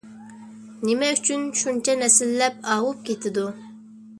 نېمە ئۈچۈن شۇنچە نەسىللەپ ئاۋۇپ كېتىدۇ؟